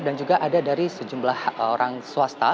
dan juga ada dari sejumlah orang swasta